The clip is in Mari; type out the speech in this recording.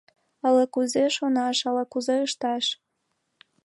Ала-кузе шонаш, ала-кузе ышташ?..